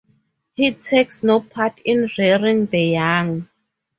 He takes no part in rearing the young.